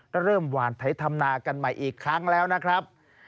และเริ่มวาลถ้ายธำนากันใหม่อีกครั้งแล้วนะครับ